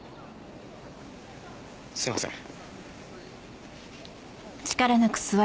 すいません。